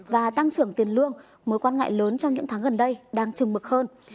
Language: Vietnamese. và tăng trưởng tiền lương mối quan ngại lớn trong những tháng gần đây đang chừng mực hơn